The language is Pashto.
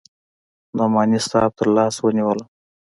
نعماني صاحب تر لاس ونيولم.